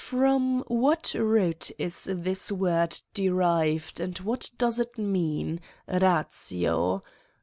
From what root is this word derived and what does it mean ratio?